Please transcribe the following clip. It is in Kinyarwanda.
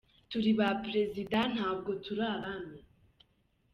Turi ba perezida, ntabwo turi abami.”